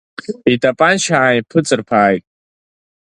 Итапанча ааимпыҵырԥааит.